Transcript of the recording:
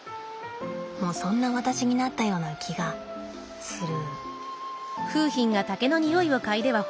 もうそんな私になったような気がする。